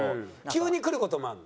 急にくる事もあるの？